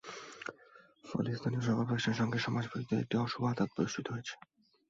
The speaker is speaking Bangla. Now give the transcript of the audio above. ফলে স্থানীয় সরকার প্রতিষ্ঠানের সঙ্গে সমাজবিরোধীদের একটা অশুভ আঁতাত প্রতিষ্ঠিত হয়েছে।